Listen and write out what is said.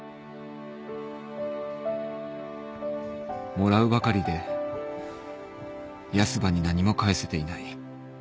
もらうばかりでヤスばに何も返せていない